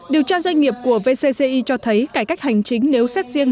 điều tra doanh nghiệp của vcci cho thấy cải cách hành chính nếu xét riêng